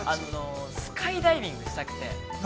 ◆スカイダイビングがしたくて。